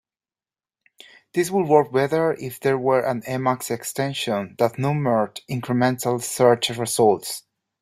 This would work better if there were an Emacs extension that numbered incremental search results.